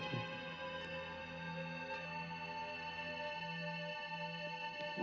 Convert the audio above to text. telah hancur di mataku